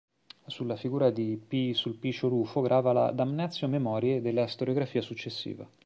Sulla figura di P. Sulpicio Rufo grava la “"damnatio memoriae"” della storiografia successiva.